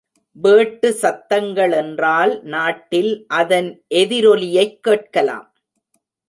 வேட்டு சத்தங்களென்றால் நாட்டில் அதன் எதிரொலியைக் கேட்கலாம்.